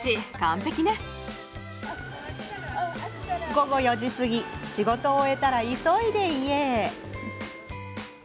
午後４時過ぎ仕事を終えたら、急いで家へ。